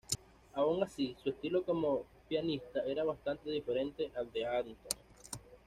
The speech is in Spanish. Aun así, su estilo como pianista era bastante diferente al de Antón.